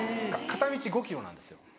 片道５ｋｍなんですよ。